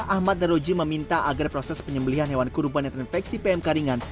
ahmad daroji meminta agar proses penyembelian hewan kurban yang terinfeksi pmk ringan